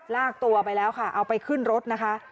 ลากตัวไปแล้วค่ะเอาไปขึ้นรถนะคะ